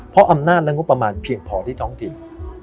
เพราะอำนาจและงบประมาณเพียงพอที่ท้องถิ่น